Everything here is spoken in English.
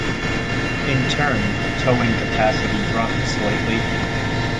In turn, towing capacity dropped slightly.